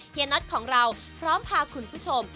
น็อตของเราพร้อมพาคุณผู้ชม